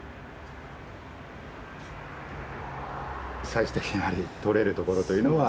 最終的にやはりとれるところというのは。